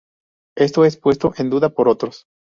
Esto es puesto en duda por otros.